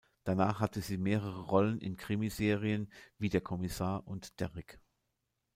Danach hatte sie mehrere Rollen in Krimiserien wie "Der Kommissar" und "Derrick".